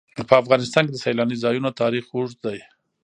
په افغانستان کې د سیلانی ځایونه تاریخ اوږد دی.